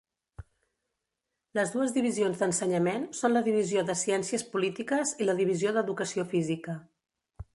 Les dues divisions d'ensenyament són la Divisió de Ciències Polítiques i la Divisió d'Educació Física.